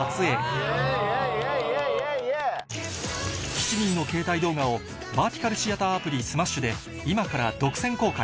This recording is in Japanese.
７人の携帯動画をバーティカルシアターアプリｓｍａｓｈ．で今から独占公開